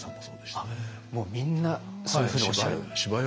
もうみんなそういうふうにおっしゃる？